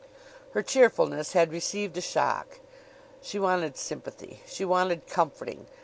Her cheerfulness had received a shock. She wanted sympathy. She wanted comforting.